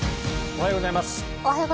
おはようございます。